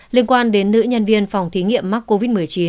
liên quan đến nữ nhân viên phòng thí nghiệm mắc covid một mươi chín